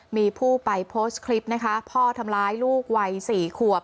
มีผู้ไปโพสต์คลิปนะคะพ่อทำร้ายลูกวัยสี่ขวบ